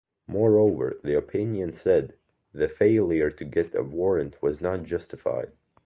Moreover, the opinion said, the failure to get a warrant was not justified.